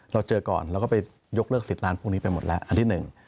เราเจอก่อนเราก็ไปยกเลิกสิทธิ์ร้านพวกนี้ไปหมดแล้วอันที่หนึ่ง